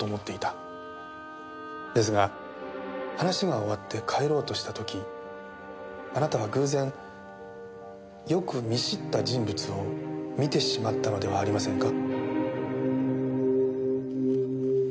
ですが話が終わって帰ろうとした時あなたは偶然よく見知った人物を見てしまったのではありませんか？